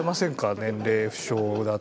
年齢不詳だって。